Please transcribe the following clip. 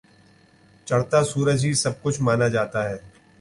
چڑھتا سورج ہی سب کچھ مانا جاتا ہے۔